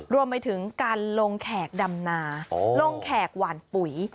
รวมไปถึงการลงแขกดำนาลงแขกหวานปุ๋ย